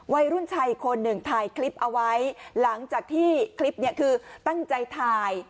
วัยรุ่นชายอีกคนหนึ่งถ่ายคลิปเอาไว้หลังจากที่คลิปเนี่ยคือตั้งใจถ่าย